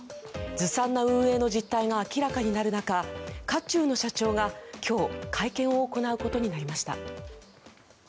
ずさんな運営の実態が明らかになる中渦中の社長が今日会見を行うことになりました。